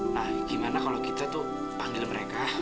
nah gimana kalau kita tuh panggil mereka